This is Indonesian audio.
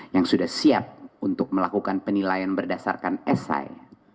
yang sudah siap untuk melakukan penilaian berdasarkan si